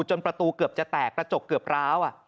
จนประตูเกือบจะแตกกระจกเกือบร้าว